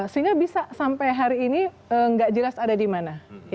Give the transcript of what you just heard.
sehingga bisa sampai hari ini nggak jelas ada di mana